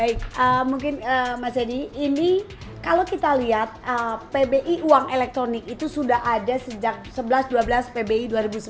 hai mungkin mas edi ini kalau kita lihat pbi uang elektronik itu sudah ada sejak sebelas dua belas pbi dua ribu sembilan